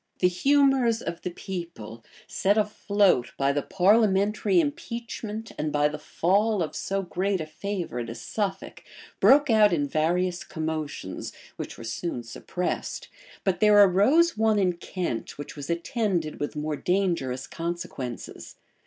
The humors of the people, set afloat by the parliamentary impeachment, and by the fall of so great a favorite as Suffolk, broke out in various commotions, which were soon suppressed, but there arose one in Kent which was attended with more dangerous consequences.